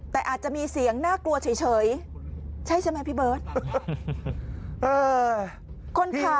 แต่อาจจะมีเสียงน่ากลัวเฉยใช่ใช่ไหมพี่เบิร์ต